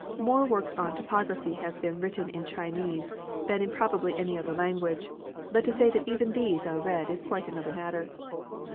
More works on topo graphy have been written in Chinese than in probably any other language, but to say that even these are read is quite another matter.